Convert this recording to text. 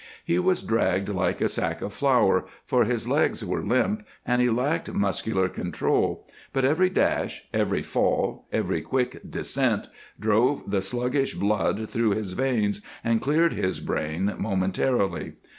He was dragged like a sack of flour, for his legs were limp and he lacked muscular control, but every dash, every fall, every quick descent drove the sluggish blood through his veins and cleared his brain momentarily.